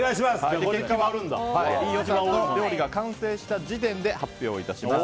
結果は飯尾さんの料理が完成した時点で発表します。